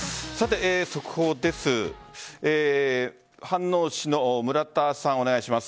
速報です。